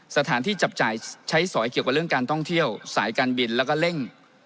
สถานที่จับจ่ายใช้สอยเกี่ยวกับเรื่องการท่องเที่ยวสายการบินแล้วก็เร่ง